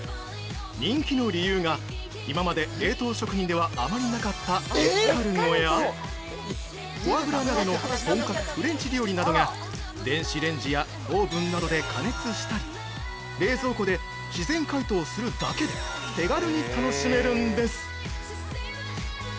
人気の理由が今まで冷凍食品ではあまりなかったエスカルゴやフォアグラなどの本格フレンチ料理などが電子レンジやオーブンなどで加熱したり冷蔵庫で自然解凍するだけで手軽に楽しめるんです。